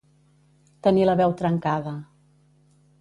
Tenir la veu trencada.